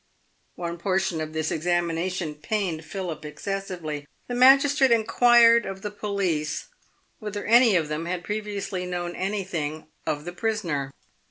One portion of this examination pained Philip excessively. The magistrate inquired of the police whether any of them had previously known anything of the prisoner.